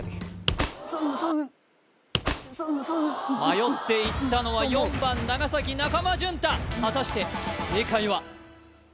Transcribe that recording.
迷っていったのは４番長崎中間淳太果たして正解は？